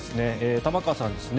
玉川さんですね。